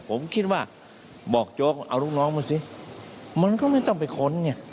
ผมคิดว่าบอกโจ๊กเอาลูกน้องมาสิมันก็ไม่ต้องไปค้นไง